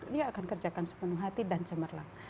dia akan kerjakan sepenuh hati dan cemerlang